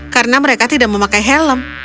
karena mereka tidak memakai helm